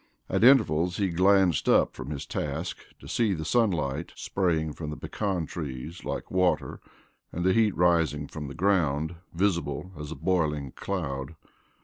At intervals he glanced up from his task to see the sunlight spraying from the pecan trees like water and the heat rising from the ground, visible as a boiling cloud.